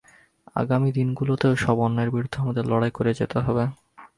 আগামী দিনগুলোতেও সব অন্যায়ের বিরুদ্ধে আমাদের লড়াই করে যেতে হবে।